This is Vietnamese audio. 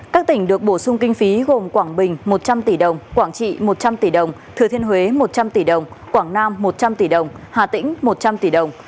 các tỉnh được bổ sung kinh phí gồm quảng bình một trăm linh tỷ đồng quảng trị một trăm linh tỷ đồng thừa thiên huế một trăm linh tỷ đồng quảng nam một trăm linh tỷ đồng hà tĩnh một trăm linh tỷ đồng